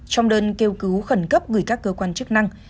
trong đơn kêu cứu khẩn cấp gửi các cơ quan chức năng